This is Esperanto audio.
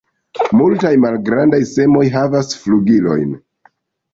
La multaj malgrandaj semoj havas flugilojn.